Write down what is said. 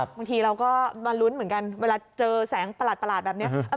บางทีเราก็มาลุ้นเหมือนกันเวลาเจอแสงประหลาดแบบนี้